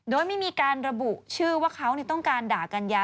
โดยไม่มีการระบุชื่อว่าเขาต้องการด่ากัญญา